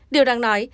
điều đáng nói